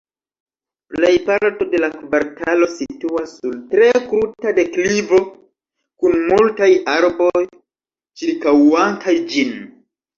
Plejparto de la kvartalo situas sur tre kruta deklivo kun multaj arboj ĉirkaŭantaj ĝin.